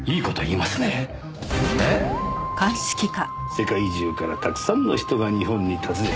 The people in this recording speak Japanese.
世界中からたくさんの人が日本に訪ねてくる。